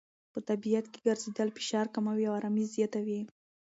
په طبیعت کې ګرځېدل فشار کموي او آرامۍ زیاتوي.